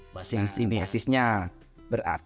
beras itu kan produksinya misalnya ada di jawa barat